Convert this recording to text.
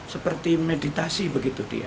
seperti meditasi begitu dia